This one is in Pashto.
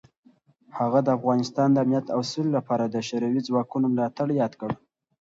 هغه د افغانستان د امنیت او سولې لپاره د شوروي ځواکونو ملاتړ یاد کړ.